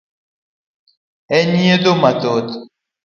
En onyiedho modhoth.